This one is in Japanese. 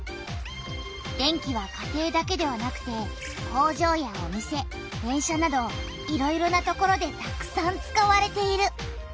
電気は家庭だけではなくて工場やお店電車などいろいろな所でたくさん使われている。